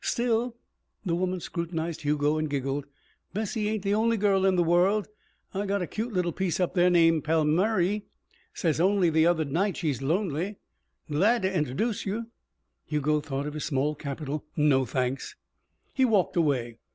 Still " the woman scrutinized Hugo and giggled "Bessie ain't the only girl in the world. I got a cute little piece up here named Palmerlee says only the other night she's lonely. Glad to interdooce you." Hugo thought of his small capital. "No, thanks." He walked away.